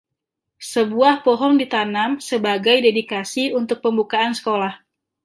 Sebuah pohon ditanam sebagai dedikasi untuk pembukaan sekolah.